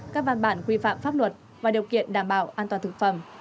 các văn bản quy phạm pháp luật và điều kiện đảm bảo an toàn thực phẩm